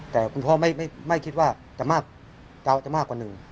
แต่คุณพ่อไม่คิดว่าจะมากกว่าหนึ่ง